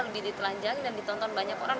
lebih ditelanjang dan ditonton banyak orang